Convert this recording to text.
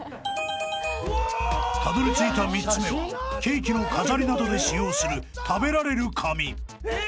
［たどり着いた３つ目はケーキの飾りなどで使用する食べられる紙］え